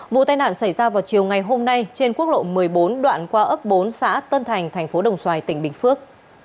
vụ tai nạn xảy ra vào chiều ngày hôm nay trên quốc lộ một mươi bốn đoạn qua ấp bốn xã tân thành thành phố đồng xoài tỉnh bình phước